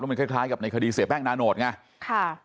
แล้วมันคล้ายกับในคดีเสียแป้งนานโหดไง